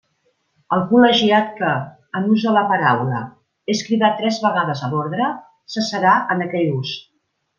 El col·legiat que, en ús de la paraula, és cridat tres vegades a l'ordre, cessarà en aquell ús.